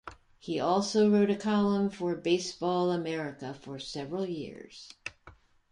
He also wrote a column for "Baseball America" for several years.